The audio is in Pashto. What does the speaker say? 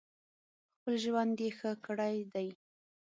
خپل ژوند یې ښه کړی دی.